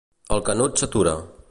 El Canut s'atura.